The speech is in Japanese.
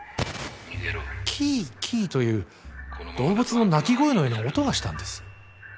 ☎逃げろキーキーという動物の鳴き声のような音がしたんです。